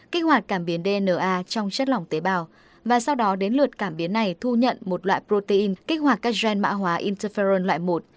kích hoạt cảm biến dna trong chất lỏng tế bào và sau đó đến lượt cảm biến này thu nhận một loại protein kích hoạt các gen mã hóa interferone loại một